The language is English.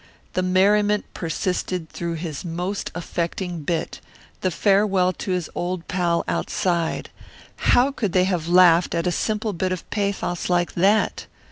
The merriment persisted through his most affecting bit, the farewell to his old pal outside how could they have laughed at a simple bit of pathos like that?